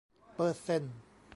เปอร์เซนต์